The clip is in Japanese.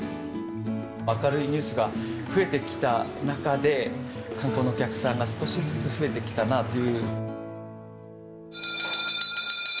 明るいニュースが増えてきた中で、観光のお客さんが少しずつ増えてきたなっていう。